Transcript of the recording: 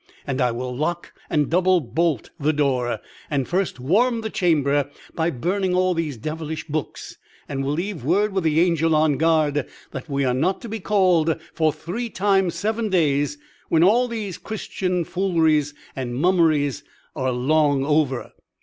And I will lock and double bolt the door, and first warm the chamber by burning all these devilish books; and will leave word with the angel on guard that we are not to be called for three times seven days, when all these Christmas fooleries and mummeries are long over.